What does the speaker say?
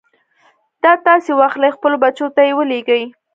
دا تاسې واخلئ خپلو بچو ته يې ولېږئ.